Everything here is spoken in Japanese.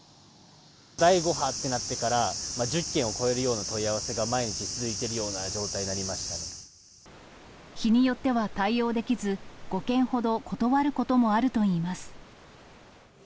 第５波となってから、１０件を超えるような問い合わせが毎日続いているような状態にな日によっては対応できず、５件ほど断ることもあるといいます。